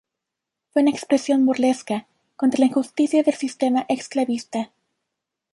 Fue una expresión burlesca contra la injusticia del sistema esclavista.